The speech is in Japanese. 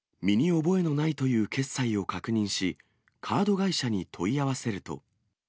身に覚えのないという決済を確認し、カード会社に問い合わせると。